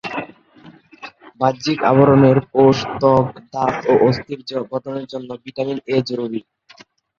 বাহ্যিক আবরণের কোষ, ত্বক, দাঁত, ও অস্থির গঠনের জন্য ভিটামিন ‘এ’ জরুরী।